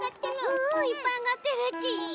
うんいっぱいあがってるち。